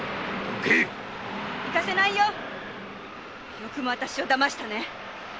よくもわたしをだましたね！